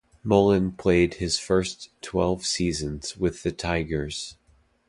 Mullin played his first twelve seasons with the Tigers.